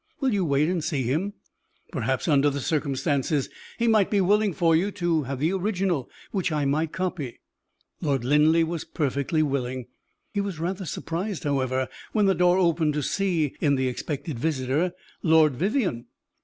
Will you wait and see him? Perhaps, under the circumstances, he might be willing for you to have the original, which I might copy." Lord Linleigh was perfectly willing. He was rather surprised, however, when the door opened, to see in the expected visitor Lord Vivianne!